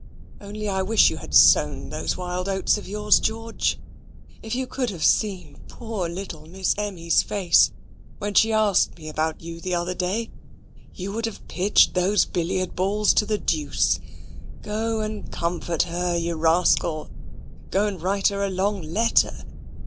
"Only I wish you had sown those wild oats of yours, George. If you could have seen poor little Miss Emmy's face when she asked me about you the other day, you would have pitched those billiard balls to the deuce. Go and comfort her, you rascal. Go and write her a long letter.